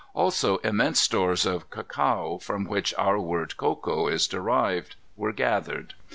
Also immense stores of cacao, from which our word cocoa is derived, were gathered.